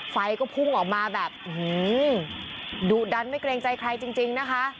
ไฟก็พุ่งออกมาแบบดุดันไม่เกรงใจใครจริงนะคะ